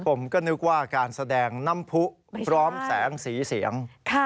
ผมก็นึกว่าการแสดงน้ำผู้พร้อมแสงสีเสียง